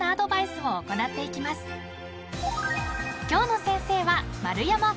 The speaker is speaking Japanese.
［今日の先生は］